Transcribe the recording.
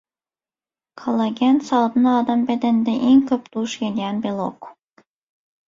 Kollagen sagdyn adam bedeninde iň köp duş gelýän belok.